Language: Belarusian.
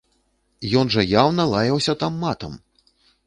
Ён жа яўна лаяўся там матам!